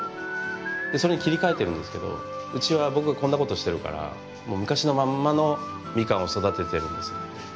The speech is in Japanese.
それに切り替えてるんですけどうちは僕がこんなことしてるからもう昔のまんまのみかんを育ててるんですよ。